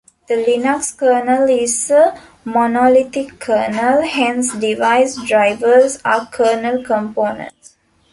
The Linux kernel is a monolithic kernel, hence device drivers are kernel components.